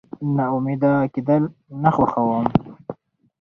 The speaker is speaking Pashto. زه ناامیده کېدل نه خوښوم.